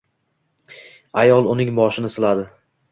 Ayol uning boshini siladi: